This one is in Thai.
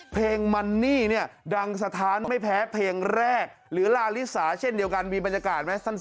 เพลงมันนี่เนี่ยดังสถานไม่แพ้เพลงแรกหรือลาลิสาเช่นเดียวกันมีบรรยากาศไหมสั้น